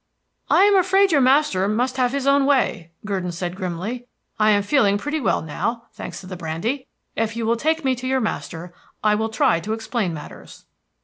"I am afraid your master must have his own way," Gurdon said grimly. "I am feeling pretty well now, thanks to the brandy. If you will take me to your master, I will try to explain matters."